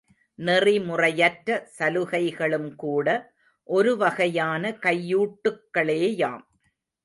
நெறிமுறையற்ற சலுகைகளும்கூட ஒரு வகையான கையூட்டுக்களேயாம்.